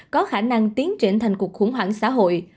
có khả năng tiến triển thành cuộc khủng hoảng xã hội